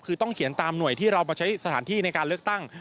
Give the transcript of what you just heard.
คือต้องเขียนตามหน่วยที่เรามาใช้สถานที่ในการเลือกตั้ง